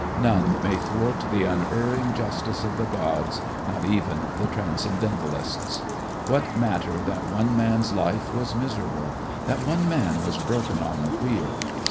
None may thwart the unerring justice of the gods, not even the Transcendentalists. What matter that one man's life was miserable, that one man was broken on the wheel?